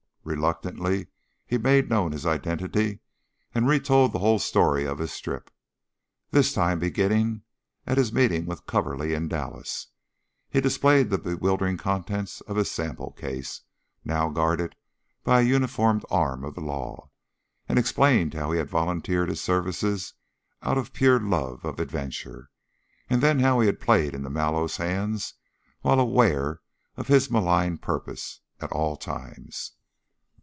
Reluctantly he made known his identity, and retold the whole story of his trip, this time beginning at his meeting with Coverly in Dallas. He displayed the bewildering contents of his sample case, now guarded by a uniformed arm of the law, and explained how he had volunteered his services out of pure love of adventure, then how he had played into Mallow's hands while aware of his malign purpose at all times.